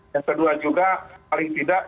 yang kedua juga paling tidak